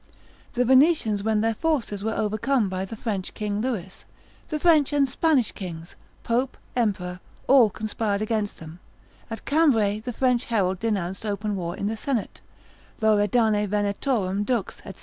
The Venetians when their forces were overcome by the French king Lewis, the French and Spanish kings, pope, emperor, all conspired against them, at Cambray, the French herald denounced open war in the senate: Lauredane Venetorum dux, &c.